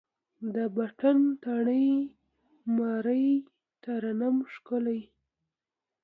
د پتڼ ترۍ، مرۍ ترنم ښکلی